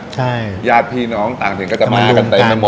ใช่ของยาดพี่น้องต่างถึงก็จะมากันเต็มไปหมด